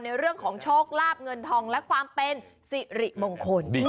เรื่องของโชคลาบเงินทองและความเป็นสิริมงคล